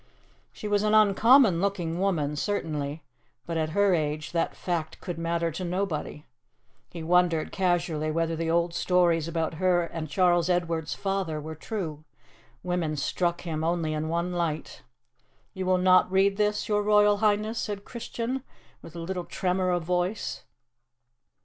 She was an uncommon looking woman, certainly, but at her age that fact could matter to nobody. He wondered, casually, whether the old stories about her and Charles Edward's father were true. Women struck him only in one light. "You will not read this, your Royal Highness?" said Christian, with a little tremor of voice.